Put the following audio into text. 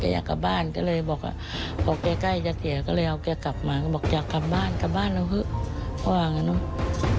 อยากกลับบ้านก็เลยบอกว่าพอแกใกล้จะเสียก็เลยเอาแกกลับมาก็บอกอยากกลับบ้านกลับบ้านเราเถอะเพราะว่างั้นเนอะ